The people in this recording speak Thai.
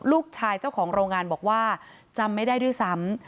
เจ้าของโรงงานบอกว่าจำไม่ได้ด้วยซ้ำ